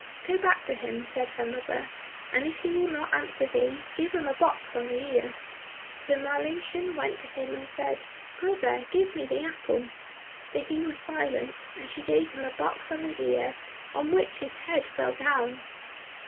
"Go back to him," said her mother, "and if he will not answer thee, give him a box on the ear." So Marlinchen went to him and said, "Brother, give me the apple." But he was silent, and she gave him a box on the ear, on which his head fell down.